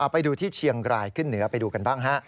ไปดูที่เชียงรายขึ้นเหนือไปดูกันบ้างฮะ